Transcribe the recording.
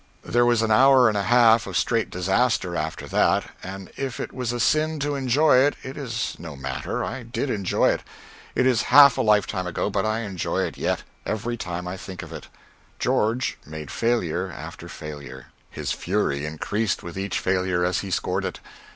There was an hour and a half of straight disaster after that, and if it was a sin to enjoy it, it is no matter I did enjoy it. It is half a lifetime ago, but I enjoy it yet, every time I think of it George made failure after failure. His fury increased with each failure as he scored it.